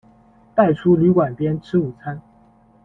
带出旅馆边吃午餐